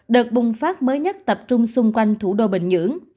đợt bùng phát mới nhất tập trung xung quanh thủ đô bình nhưỡng